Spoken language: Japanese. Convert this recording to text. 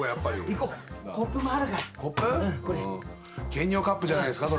検尿カップじゃないですか。